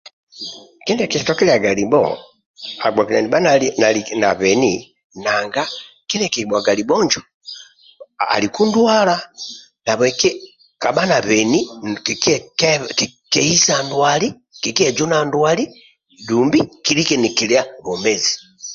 Kindi kikitugiliaga libho agbokelani lika nabeni nanga kindi kikibwaga libhonjo aliku dwala nabweki kabha nabeni kikye kehisa ndwali kikye Juna ndwali adu kilike nikili bomezi